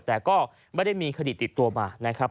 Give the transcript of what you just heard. แต่ก็ไม่ได้มีคดีติดตัวมานะครับ